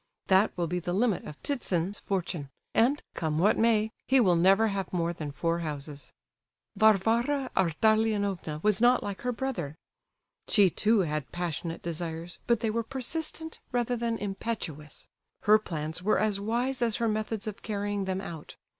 That will be the limit of Ptitsin's fortune, and, come what may, he will never have more than four houses. Varvara Ardalionovna was not like her brother. She too, had passionate desires, but they were persistent rather than impetuous. Her plans were as wise as her methods of carrying them out.